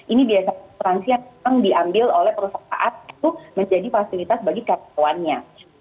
ini biasanya asuransi yang memang diambil oleh perusahaan itu menjadi fasilitas bagi karyawannya